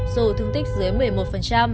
dù thương tích dưới một mươi một